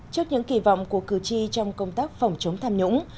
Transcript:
trước những kỳ vọng của cử tri trong công tác phòng chống tham nhũng